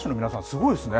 すごいですね。